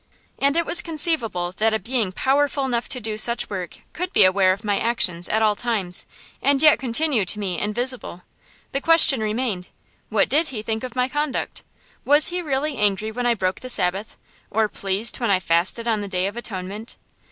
And it was conceivable that a being powerful enough to do such work could be aware of my actions at all times, and yet continue to me invisible. The question remained, what did He think of my conduct? Was He really angry when I broke the Sabbath, or pleased when I fasted on the Day of Atonement?